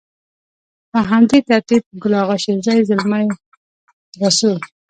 په همدې ترتيب ګل اغا شېرزي، زلمي رسول.